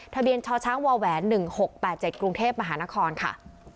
ทะเบียนชชวแหวน๑๖๘๗กรุงเทพมหานครค่ะ